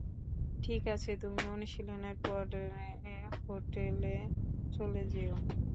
ঠিক আছে, তুমি অনুশীলনের পরে হোটেলে চলে যেও।